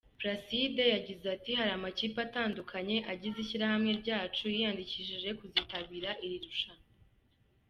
Placide yagize ati : “Hari amakipe atandukanye agize ishyirahamwe ryacu yiyandikishije kuzitabira iri rushanwa.